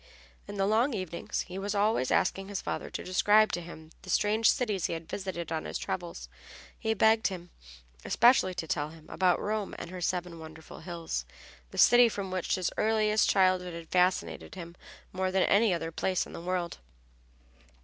In the long evenings he was always asking his father to describe to him the strange cities he had visited on his travels. He begged him especially to tell him about Rome and her seven wonderful hills, the city which from his earliest childhood had fascinated him more than any other place in the world.